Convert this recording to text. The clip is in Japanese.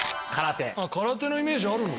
あっ空手のイメージあるの？